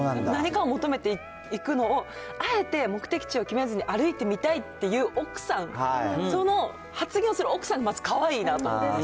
何かを求めて行くのを、あえて目的地を決めずに歩いてみたいっていう奥さん、その発言をする奥さんがまずかわいいなと。